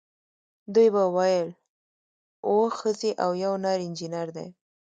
دوی به ویل اوه ښځې او یو نر انجینر دی.